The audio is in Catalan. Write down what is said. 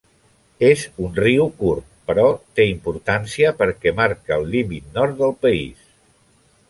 És un riu curt però té importància perquè marca el límit nord del país.